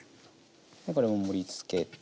これも盛りつけて。